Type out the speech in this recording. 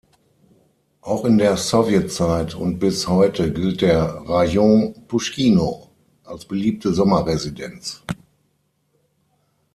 Auch in der Sowjetzeit und bis heute gilt der Rajon Puschkino als beliebte Sommerresidenz.